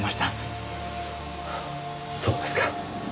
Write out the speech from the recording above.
そうですか。